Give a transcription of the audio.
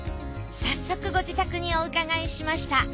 早速ご自宅にお伺いしました。